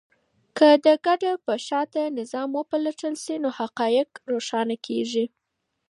که د کډه په شاته نظام وپلټل سي، نو ډېر حقایق روښانه کيږي.